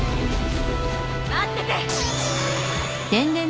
待ってて！